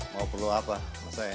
mau perlu apa mas aya